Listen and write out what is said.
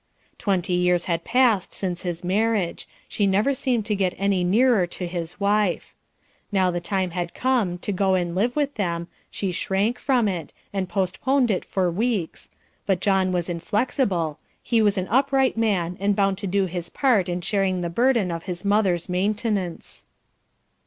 Twenty years had passed since his marriage; she never seemed to get any nearer to his wife. Now the time had come to go and live with them, she shrank from it, and postponed it for weeks, but John was inflexible, he was an upright man, and bound to do his part in sharing the burden of his mother's maintenance.